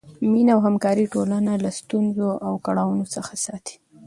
مینه او همکاري ټولنه له ستونزو او کړاوونو څخه ساتي.